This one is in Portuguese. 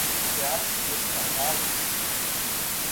Riacho dos Cavalos